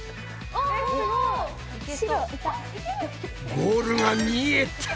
ゴールが見えたぞ。